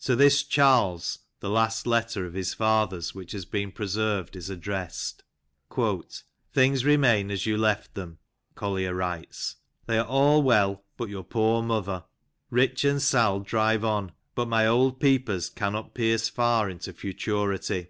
To JOHN COLLIER \^' TIM BOBBIN"). 253 this Charles the last letter of his father's which has been preserved is addressed : "Things remain as you left 'em," Collier writes, " they are all well but your poor mother. ... Rich and Sal drive on, but my old peepers cannot pierce far into futurity.